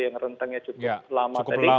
yang rentangnya cukup lama